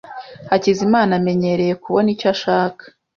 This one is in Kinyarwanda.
Hakizimana amenyereye kubona icyo ashaka.